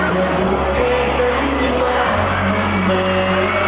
และบุคเกษตร์สันติวะมันมาให้เธอ